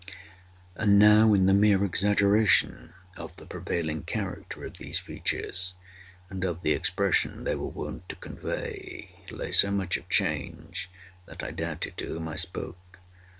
And now in the mere exaggeration of the prevailing character of these features, and of the expression they were wont to convey, lay so much of change that I doubted to whom I spoke.